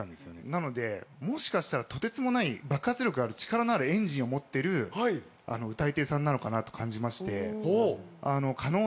なのでもしかしたらとてつもない爆発力がある力のあるエンジンを持ってる歌い手さんなのかなと感じまして。